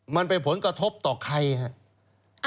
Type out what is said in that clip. มันเป็นผลกระทบต่อใครครับ